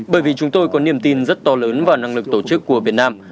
bởi vì chúng tôi có niềm tin rất to lớn vào năng lực tổ chức của việt nam